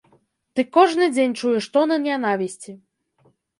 Ты кожны дзень чуеш тоны нянавісці.